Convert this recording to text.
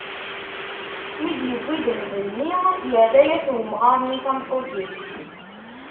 Mi d-yewwi ddheb-nni, yerra-as umɣar-nni tameṭṭut-is.